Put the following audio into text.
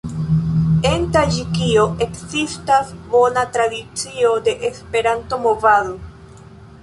En Taĝikio ekzistas bona tradicio de Esperanto-movado.